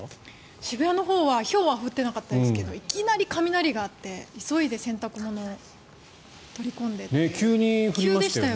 渋谷のほうはひょうは降っていなかったですがいきなり雷があって急いで洗濯物を取り込みました。